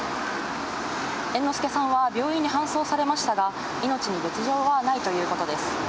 猿之助さんは病院に搬送されましたが、命に別状はないということです。